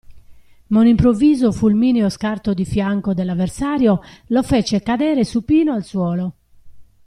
Ma un improvviso, fulmineo scarto di fianco dell'avversario, lo fece cadere supino al suolo.